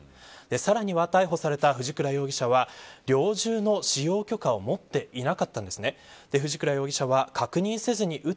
さらには逮捕された藤倉容疑者は猟銃の使用許可を持っていなかったんです。